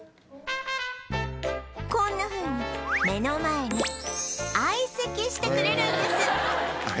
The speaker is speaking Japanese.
こんなふうに目の前に相席してくれるんです